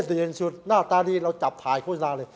จะจุดเย็นซูดหน้าตาดีเราจับถ่ายคุยแม่